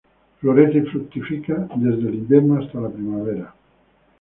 Florece y fructifica desde el invierno hasta la primavera.